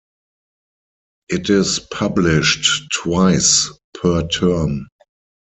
It is published twice per term.